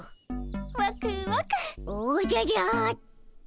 おじゃじゃっと。